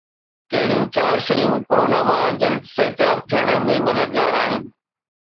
ڪهڙيون چار شيون ڪورونا مان جلد صحتياب ٿيڻ ۾ مددگار آهن؟